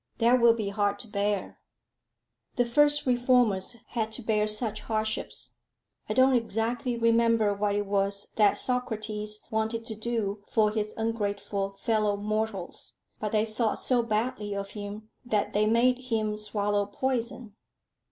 "That will be hard to bear." "The first reformers had to bear such hardships. I don't exactly remember what it was that Socrates wanted to do for his ungrateful fellow mortals; but they thought so badly of him, that they made him swallow poison.